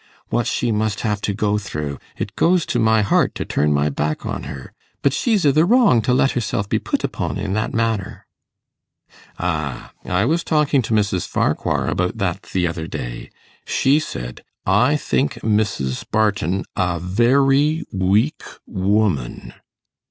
What she must have to go through! It goes to my heart to turn my back on her. But she's i' the wrong to let herself be put upon i' that manner.' 'Ah! I was talking to Mrs. Farquhar about that the other day. She said, "I think Mrs. Barton a v e r y w e a k w o m a n".